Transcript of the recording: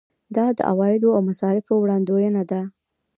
دا د عوایدو او مصارفو وړاندوینه وه.